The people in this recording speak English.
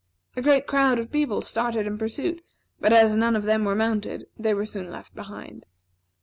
A great crowd of people started in pursuit, but as none of them were mounted, they were soon left behind.